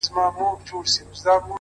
پوهه د شکونو ریښې کمزورې کوي.!